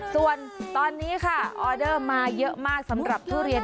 ส่วนตอนนี้ค่ะออเดอร์มาเยอะมากสำหรับทุเรียน